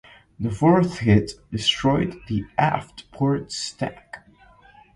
The fourth hit destroyed the aft port stack.